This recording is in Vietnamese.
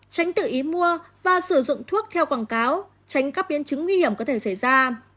tránh tự ý mua và sử dụng thuốc theo quảng cáo tránh các biến chứng nguy hiểm có thể xảy ra